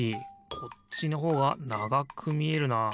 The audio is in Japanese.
こっちのほうがながくみえるなあ。